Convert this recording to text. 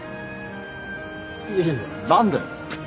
いやいや何だよ。